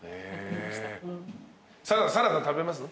サラダ食べます？